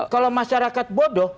kalau masyarakat bodoh